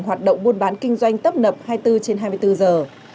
hoạt động buôn bán kinh doanh tấp nập hai mươi bốn trên hai mươi bốn giờ